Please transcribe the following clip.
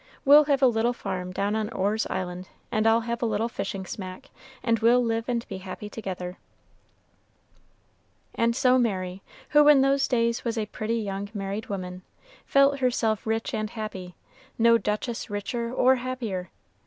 We'll have a little farm down on Orr's Island, and I'll have a little fishing smack, and we'll live and be happy together." And so Mary, who in those days was a pretty young married woman, felt herself rich and happy, no duchess richer or happier.